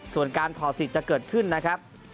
ส่วนการถอดสิทธิ์จะเกิดขึ้นนะครับ